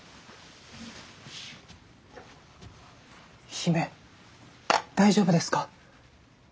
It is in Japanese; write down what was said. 姫大丈夫ですか？